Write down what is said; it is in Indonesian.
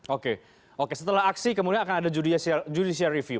oke oke setelah aksi kemudian akan ada judicial review